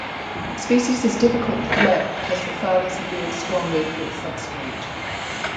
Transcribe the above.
The species is difficult to collect because the thallus adheres strongly to its substrate.